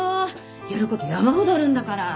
やること山ほどあるんだから。